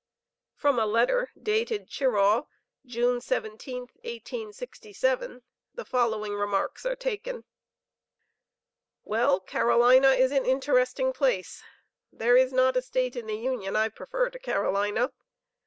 From a letter dated Cheraw, June 17th, 1867, the following remarks are taken: "Well, Carolina is an interesting place. There is not a state in the Union I prefer to Carolina.